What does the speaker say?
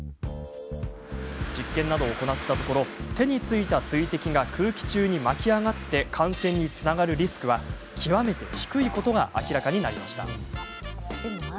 実験などを行ったところ手についた水滴が空気中に巻き上がって感染につながるリスクは極めて低いことが明らかになりました。